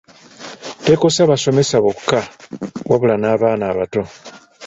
Tekosa basomesa bokka wabula n’abaana abato.